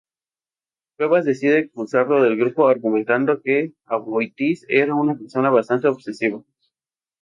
Cuevas decide expulsarlo del grupo, argumentando que Aboitiz era una persona bastante obsesiva.